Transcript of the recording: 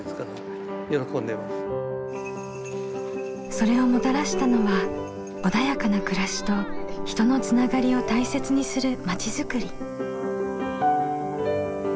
それをもたらしたのは穏やかな暮らしと人のつながりを大切にする町づくり。